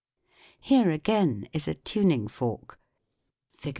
Here, again, is a tuning fork (Fig.